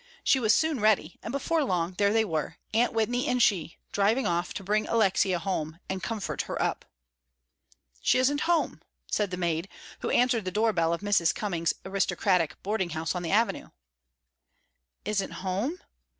She was soon ready, and before long there they were, Aunty Whitney and she, driving off to bring Alexia home and comfort her up. "She isn't home," said the maid, who answered the door bell of Mrs. Cummings's aristocratic boarding house on the Avenue. "Isn't home?"